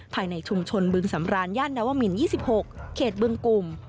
ภายในชุมชนบึงสำราญย่านนวมิน๒๖เขตบึงกลุ่ม